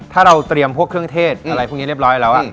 ถ้าเราเตรียมพวกเครื่องเทศอะไรพวกนี้เรียบร้อยแล้ว